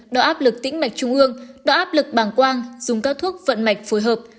đau áp lực tĩnh mạch trung ương đau áp lực bàng quang dùng các thuốc vận mạch phối hợp